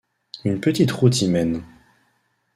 Une petite route y mène.